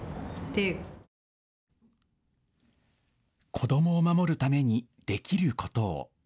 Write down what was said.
子どもを守るためにできることを。